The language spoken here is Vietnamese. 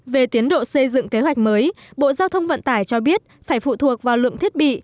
về tiến độ xây dựng kế hoạch mới bộ giao thông vận tải cho biết phải phụ thuộc vào lượng thiết bị